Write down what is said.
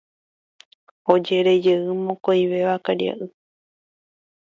Ojerejey mokõive karia'y.